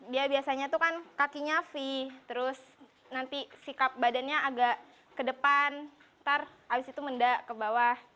dia biasanya tuh kan kakinya v terus nanti sikap badannya agak ke depan ntar abis itu mendak ke bawah